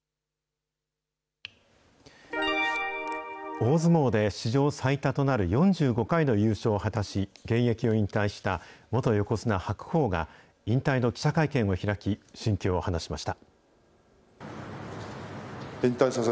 大相撲で史上最多となる４５回の優勝を果たし、現役を引退した元横綱・白鵬が、引退の記者会見を開き、心境を話しました。